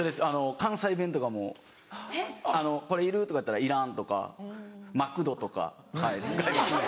関西弁とかも「これいる？」とか言ったら「いらん」とか「マクド」とか使いますね。